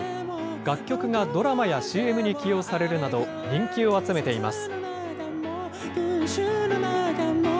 楽曲がドラマやＣＭに起用されるなど、人気を集めています。